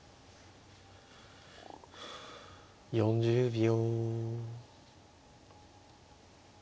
４０秒。